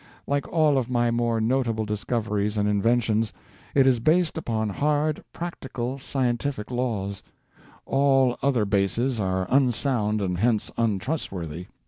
Like all of my more notable discoveries and inventions, it is based upon hard, practical scientific laws; all other bases are unsound and hence untrustworthy.